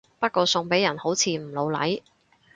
不過送俾人好似唔老嚟